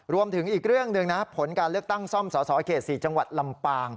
รวมถึงอีกเรื่องหนึ่งนะผลการเลือกตั้งซ่อมสสเขต๔จังหวัดลำปาง